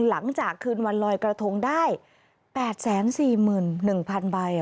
หลังจากคืนวันลอยกระทงได้๘๔๑๐๐๐ใบ